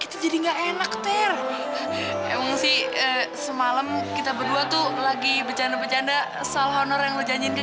kita jadi enak terima sih semalam kita berdua tuh lagi becanda becanda soal honor yang dijanjikan